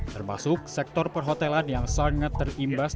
termasuk sektor perhotelan yang sangat terimbas